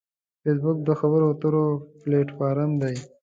فېسبوک د خبرو اترو پلیټ فارم دی